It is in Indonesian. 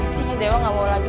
kayaknya dewa gak mau lagi